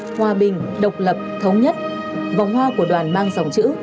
hòa bình độc lập thống nhất vòng hoa của đoàn mang dòng chữ